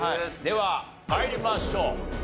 では参りましょう。